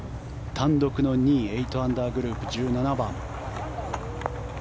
単独の２位、８アンダーグループ１７番。